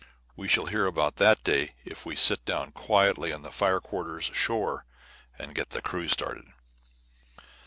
We shall hear all about that day if we sit us down quietly in the fire quarters ashore and get the crew started.